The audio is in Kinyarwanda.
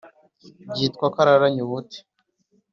byitwa ko araranye ubute